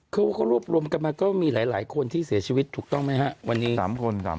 ก็รวบรวมกันมาก็มีหลายคนที่เสียชีวิตถูกต้องไหมครับ